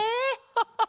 ハハハ！